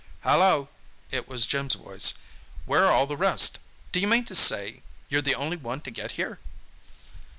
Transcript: "Hallo!" It was Jim's voice. "Where are all the rest? D'you mean to say you're the only one to get here?"